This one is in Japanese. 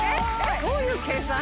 どういう計算？